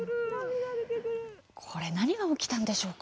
これ何が起きたんでしょうか？